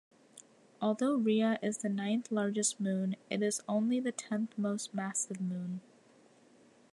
Although Rhea is the ninth-largest moon, it is only the tenth-most-massive moon.